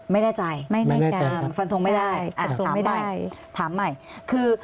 ไม่แน่ใจฟันทงไม่ได้อ่ะถามใหม่ถามใหม่คือ